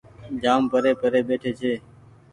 جآم پري پري ٻيٺي ڇي۔